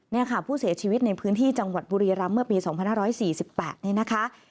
นี่ค่ะผู้เสียชีวิตในพื้นที่จังหวัดบุรีรำเมื่อปี๒๕๔๘นี่นะคะ